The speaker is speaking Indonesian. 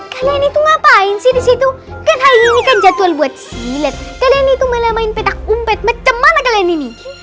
kalian itu ngapain sih di situ kan hari ini kan jadwal buat silet kalian itu malah main petak umpet macam mana kalian ini